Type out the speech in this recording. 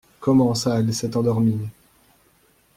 Comment ça elle s'est endormie?